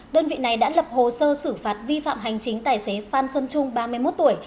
đơn vị này đã lập hồ sơ xử phạt vi phạm hành chính tài xế phan xuân trung ba mươi một tuổi